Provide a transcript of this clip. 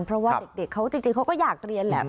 เพราะว่าเด็กเขาจริงเขาก็อยากเรียนแหละ